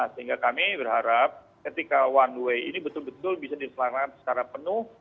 sehingga kami berharap ketika one way ini betul betul bisa diselamatkan secara penuh